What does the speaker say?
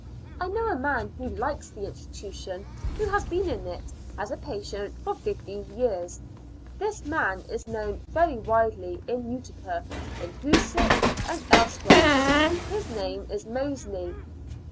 I know a man who likes the institution, who has been in it as a patient for fifteen years; this man is known very widely, in Utica, in Hoosick and else 158 ^^^^ Years and Four Months where; his name is Mosely.